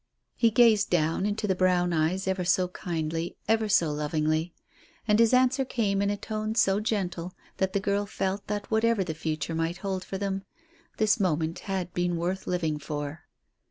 He gazed down into the brown eyes ever so kindly, ever so lovingly; and his answer came in a tone so gentle that the girl felt that whatever the future might hold for them, this moment had been worth living for.